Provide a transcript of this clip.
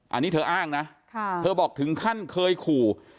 อันนี้เธออ้างนะเธอบอกถึงขั้นเคยขู่